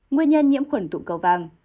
nguyên nhân nhiễm khuẩn tụ cầu vang